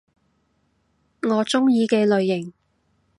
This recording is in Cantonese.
我鍾意嘅類型